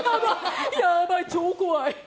やばい、超怖い。